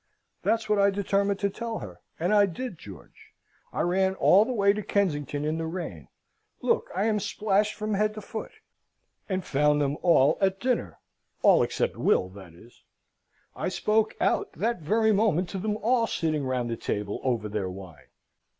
That's what I determined to tell her; and I did, George. I ran all the way to Kensington in the rain look, I am splashed from head to foot, and found them all at dinner, all except Will, that is. I spoke out that very moment to them all, sitting round the table, over their wine.